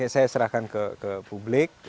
saya serahkan ke publik